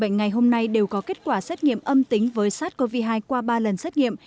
bệnh nhân khỏi bệnh ngày hôm nay đều có kết quả xét nghiệm âm tính với sars cov hai qua ba lần xét nghiệm